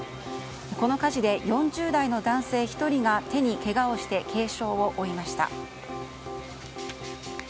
この火事で４０代の男性１人が手にけがをして軽傷を負いました。